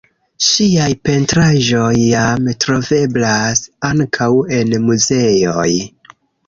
Ŝiaj pentraĵoj jam troveblas ankaŭ en muzeoj.